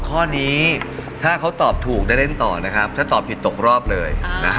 ข้อนี้ถ้าเขาตอบถูกได้เล่นต่อนะครับถ้าตอบผิดตกรอบเลย